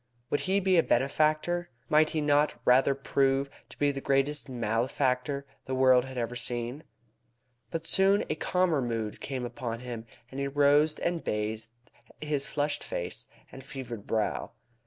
Would he be a benefactor? Might he not rather prove to be the greatest malefactor that the world had seen? But soon a calmer mood came upon him, and he rose and bathed his flushed face and fevered brow.